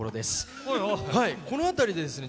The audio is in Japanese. この辺りでですね